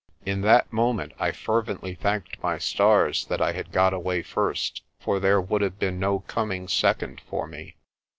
In that moment I fervently thanked my stars that I had got away first, for there would have been no coming second for me.